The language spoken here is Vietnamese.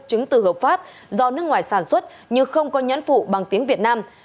chứng từ hợp pháp do nước ngoài sản xuất nhưng không có nhãn phụ bằng tiếng việt nam